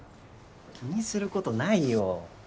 気にすることないよ。